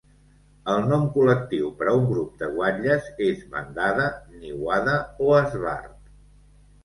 El nom col·lectiu per a un grup de guatlles és bandada, niuada o esbart.